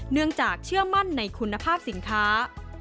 เนื่องจากเชื่อมั่นในคุณภาพสินค้า